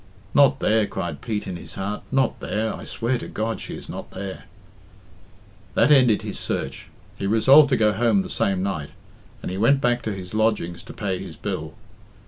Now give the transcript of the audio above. "Not there!" cried Pete in his heart; "not there I swear to God she is not there." That ended his search. He resolved to go home the same night, and he went back to his lodgings to pay his bill.